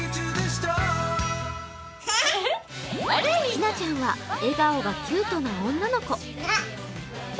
ひなちゃんは笑顔がキュートな女の子。